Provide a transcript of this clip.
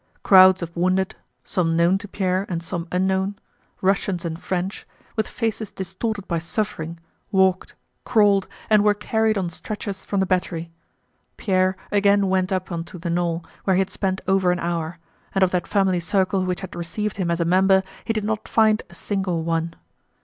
Crowds of wounded—some known to Pierre and some unknown—Russians and French, with faces distorted by suffering, walked, crawled, and were carried on stretchers from the battery. Pierre again went up onto the knoll where he had spent over an hour, and of that family circle which had received him as a member he did not find a single one.